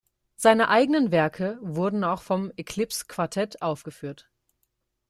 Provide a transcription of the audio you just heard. Seine eigenen Werke wurden auch vom "Eclipse Quartet" aufgeführt.